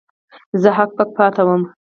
زه هک پک پاتې وم.